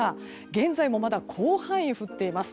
現在もまだ広範囲で降っています。